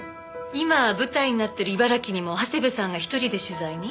今舞台になってる茨城にも長谷部さんが１人で取材に？